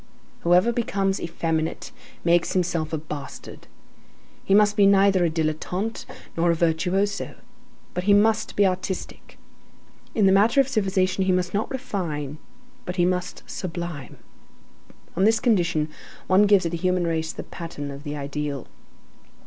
Whoever becomes effeminate makes himself a bastard. He must be neither a dilettante nor a virtuoso: but he must be artistic. In the matter of civilization, he must not refine, but he must sublime. On this condition, one gives to the human race the pattern of the ideal.